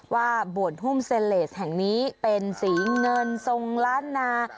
ว่าบวชหุ้มเซเลสแห่งนี้เป็นสีเงินทรงล้านนา